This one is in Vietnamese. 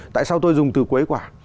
tại sao tôi dùng từ quấy quả